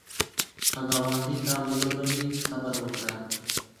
که ګاونډي تا وځوروي، صبر وکړه